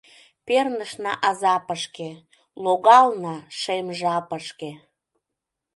Пернышна азапышке, Логална шем жапышке.